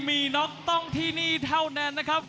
มีน็อกต้องที่นี่เท่านั้นนะครับ